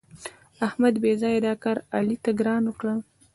احمد بېځآیه دا کار علي ته ګران کړ.